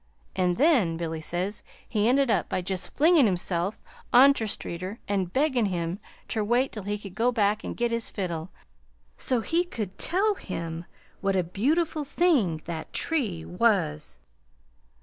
An' then, Billy says, he ended by jest flingin' himself on ter Streeter an' beggin' him ter wait till he could go back an' git his fiddle so he could tell him what a beautiful thing that tree was.